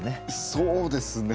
そうですね。